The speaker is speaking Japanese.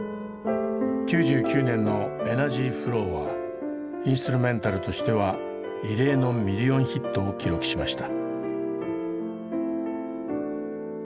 ９９年の「ｅｎｅｒｇｙｆｌｏｗ」はインストゥルメンタルとしては異例のミリオンヒットを記録しました。